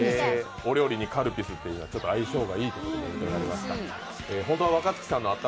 お料理にカルピスは相性がいいということが分かりました。